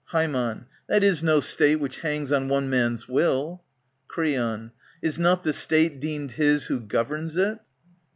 Ham, That is no State which hangs on one man's will. Creon, Is not the ^State deemed his who governs it